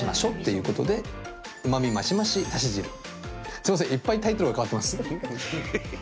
すみません、いっぱいタイトルが変わってます。